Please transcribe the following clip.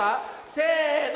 せの。